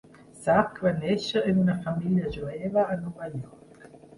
Sack va néixer en una família jueva a Nova York.